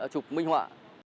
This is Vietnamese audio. chụp minh họa